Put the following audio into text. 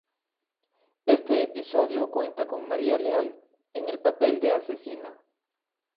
Este episodio cuenta con María Leal, en el papel de asesina.